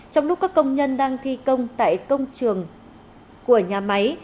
trong lúc các công nhân đang thi công tại công trường của nhà máy